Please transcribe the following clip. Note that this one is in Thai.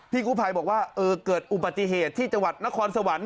กู้ภัยบอกว่าเกิดอุบัติเหตุที่จังหวัดนครสวรรค์